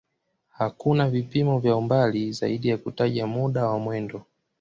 Hakuna vipimo vya umbali zaidi ya kutaja muda wa mwendo.